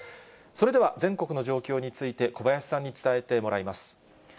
それでは、全国の状況について小林さんに伝えてもらいます。